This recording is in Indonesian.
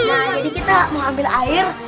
nah jadi kita mau ambil air